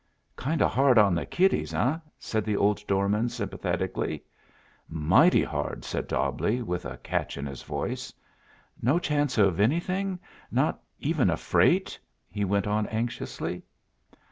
"Kind o' hard on the kiddies, eh?" said the old doorman sympathetically. "Mighty hard," said Dobbleigh, with a catch in his voice. "No chance of anything not even a freight?" he went on anxiously.